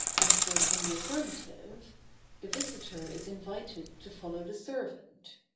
answered in the affirmative, the visitor is invited to follow the servant.